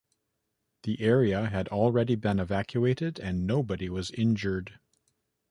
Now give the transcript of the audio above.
The area had already been evacuated and nobody was injured.